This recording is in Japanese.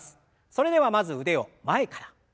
それではまず腕を前から。